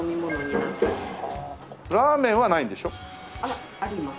ラーメンはないんでしょ？あります。